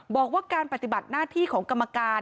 บอกว่าการปฏิบัติหน้าที่ของกรรมการ